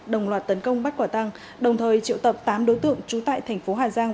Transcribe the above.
đồng loạt tấn công bắt quả tăng đồng thời triệu tập tám đối tượng trú tại thành phố hà giang